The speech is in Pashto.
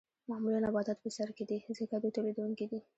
معمولاً نباتات په سر کې دي ځکه دوی تولیدونکي دي